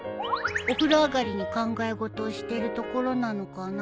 お風呂上がりに考え事をしてるところなのかな？